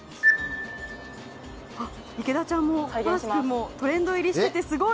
池田ちゃんもパース君もトレンド入りしててすごい！